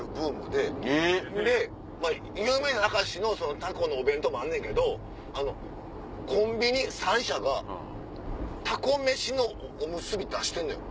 で有名な明石のタコのお弁当もあんねんけどコンビニ３社がタコ飯のおむすび出してんのよ。